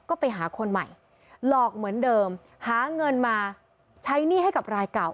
ก็ไปหาคนใหม่หลอกเหมือนเดิมหาเงินมาใช้หนี้ให้กับรายเก่า